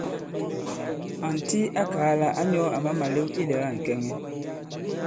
Ànti a kàa lā ǎ nyɔ̄ àma màlew ilɛ̀ga ŋ̀kɛŋɛ.